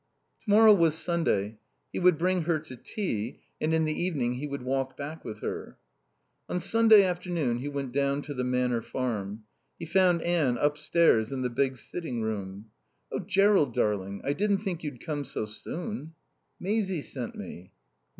Tomorrow was Sunday. He would bring her to tea, and in the evening he would walk back with her. On Sunday afternoon he went down to the Manor Farm. He found Anne upstairs in the big sitting room. "Oh Jerrold, darling, I didn't think you'd come so soon." "Maisie sent me."